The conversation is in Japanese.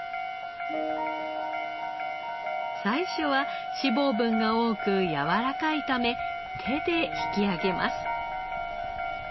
最初は脂肪分が多くやわらかいため手で引き上げます。